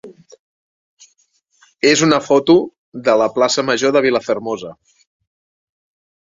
és una foto de la plaça major de Vilafermosa.